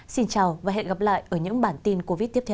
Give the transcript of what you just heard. xin chào và hẹn gặp lại ở những bản tin covid tiếp theo